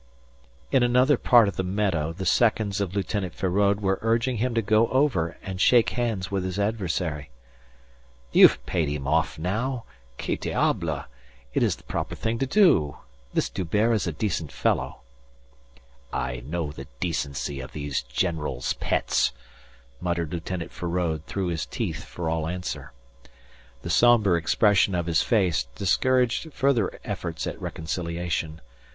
In another part of the meadow the seconds of Lieutenant Feraud were urging him to go over and shake hands with his adversary. "You have paid him off now que diable. It's the proper thing to do. This D'Hubert is a decent fellow." "I know the decency of these generals' pets," muttered Lieutenant Feraud through his teeth for all answer. The sombre expression of his face discouraged further efforts at reconciliation.